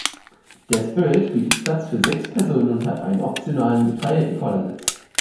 Der Spirit bietet Platz für sechs Personen und hat einen optionalen geteilten Vordersitz.